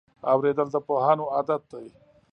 اورېدل د پوهانو عادت دی.